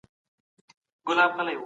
ښه توازن ژوند اسانه کوي.